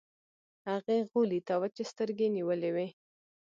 هغې غولي ته وچې سترګې نيولې وې.